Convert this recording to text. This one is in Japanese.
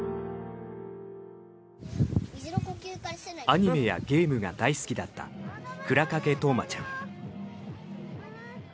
アニメやゲームが大好きだった倉掛冬生ちゃん。